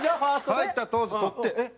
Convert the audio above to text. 入った当時捕ってえっ？